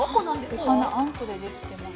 お花あんこで出来てます。